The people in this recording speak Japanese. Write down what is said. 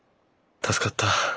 助かった。